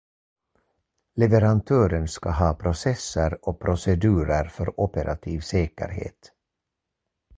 Leverantören ska ha processer och procedurer för operativ säkerhet.